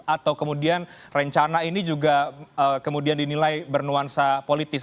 atau kemudian rencana ini juga kemudian dinilai bernuansa politis